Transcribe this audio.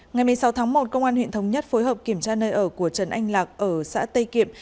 ngày một mươi sáu tháng một công an huyện thống nhất phối hợp kiểm tra nơi ở của trần anh lạc ở xã tây kiệm